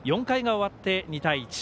４回が終わって、２対１。